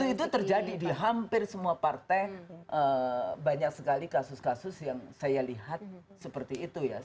itu terjadi di hampir semua partai banyak sekali kasus kasus yang saya lihat seperti itu ya